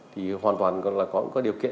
thì hoàn toàn là có điều kiện